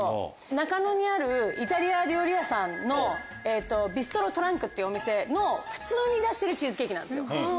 中野にあるイタリア料理屋さんのビストロトランクっていうお店の普通に出してるチーズケーキなんですよ。